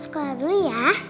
sekolah dulu ya